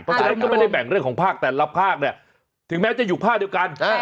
เพราะฉะนั้นก็ไม่ได้แบ่งเรื่องของภาคแต่ละภาคเนี่ยถึงแม้จะอยู่ภาคเดียวกัน